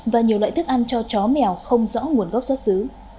và nhiều loại thức ăn cho chó mèo không rõ nguồn gốc xuất xứ